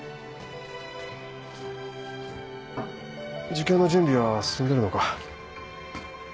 受験の準備は進んでるのか？